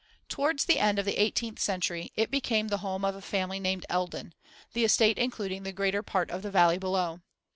Towards the end of the eighteenth century it became the home of a family named Eldon, the estate including the greater part of the valley below.